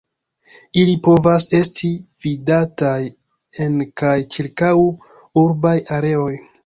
Ili povas esti vidataj en kaj ĉirkaŭ urbaj areoj.